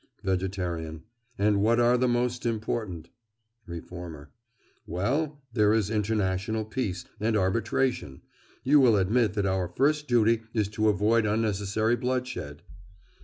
VEGETARIAN: And what are the most important? REFORMER: Well, there is international peace and arbitration. You will admit that our first duty is to avoid unnecessary bloodshed.